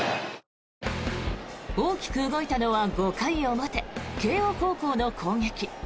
大きく動いたのは５回表慶応高校の攻撃。